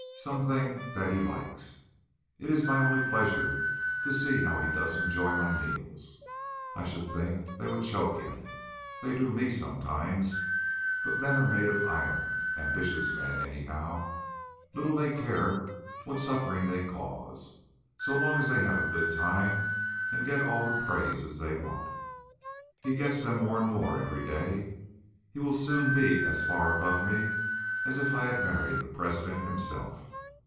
Some thing that he likes. It is my only pleasure, to see how he does enjoy my meals. I should think they would choke him; they do me sometimes. But men are made of iron ambitious men, anyhow. Little they care what suffering they cause, so long as they have a good time and get all the praises they want. He gets them more and more every day. He will soon be as far above me as if I had married the President himself.